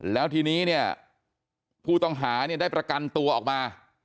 แล้วทีนี้เนี่ยผู้ต้องหาเนี่ยได้ประกันตัวออกมา